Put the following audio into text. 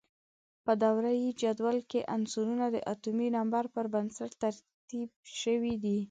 په دوره یي جدول کې عنصرونه د اتومي نمبر پر بنسټ ترتیب شوي دي.